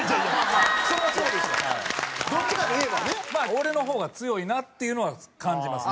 俺の方が強いなっていうのは感じますね。